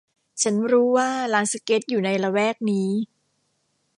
ฉันรู้ว่าลานสเก็ตอยู่ในละแวกนี้